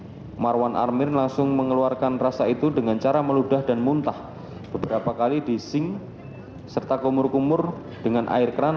pak marwan armir langsung mengeluarkan rasa itu dengan cara meludah dan muntah beberapa kali di sing serta kumur kumur dengan air kran